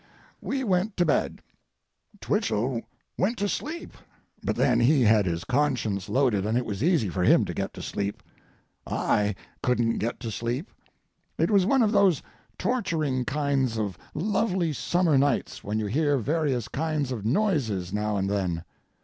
We went to bed. Twichell went to sleep, but then he had his conscience loaded and it was easy for him to get to sleep. I couldn't get to sleep. It was one of those torturing kinds of lovely summer nights when you hear various kinds of noises now and then.